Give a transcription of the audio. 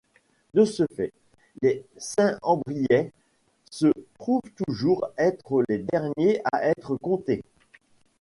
De ce fait, les Saint-Andriais se trouvent toujours être les derniers à être comptés.